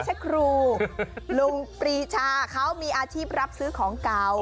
ใช่ครูลุงปรีชาเขามีอาชีพรับซื้อของเก่า